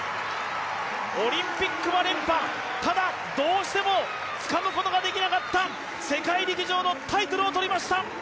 オリンピックは連覇、ただどうしてもつかむことができなかった世界陸上のタイトルを取りました。